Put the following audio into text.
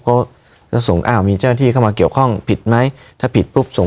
ก็แล้วส่งอ้าวมีเจ้าหน้าที่เข้ามาเกี่ยวข้องผิดไหมถ้าผิดปุ๊บส่ง